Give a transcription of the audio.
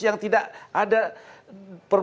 yang tidak ada dasar